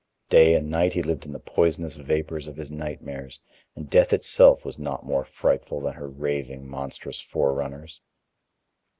Day and night he lived in the poisonous vapors of his nightmares, and death itself was not more frightful than her raving, monstrous forerunners.